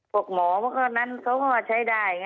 บอกหมอว่านั้นเขาก็ว่าใช้ได้